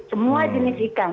semua jenis ikan